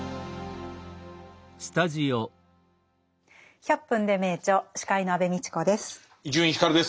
「１００分ｄｅ名著」司会の安部みちこです。